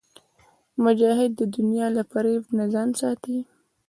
مجاهد د دنیا له فریب نه ځان ساتي.